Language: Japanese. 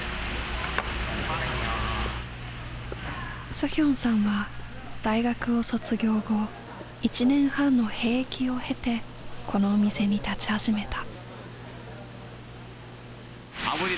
スヒョンさんは大学を卒業後１年半の兵役を経てこのお店に立ち始めた。